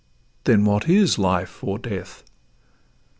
then what is life or death?